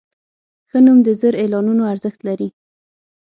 ښه نوم د زر اعلانونو ارزښت لري.